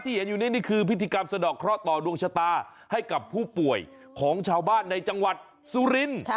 เห็นอยู่นี้นี่คือพิธีกรรมสะดอกเคราะห์ต่อดวงชะตาให้กับผู้ป่วยของชาวบ้านในจังหวัดสุรินทร์